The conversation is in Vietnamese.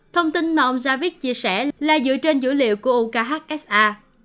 thông tin mà ông javid chia sẻ là dựa trên dữ liệu của ukhsa